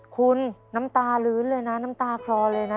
คุณน้ำตาลื้นเลยนะน้ำตาคลอเลยนะ